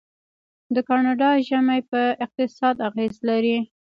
د کاناډا ژمی په اقتصاد اغیز لري.